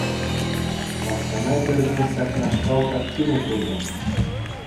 Лавккана кӗрсен ҫакнашкал картина куртӑм.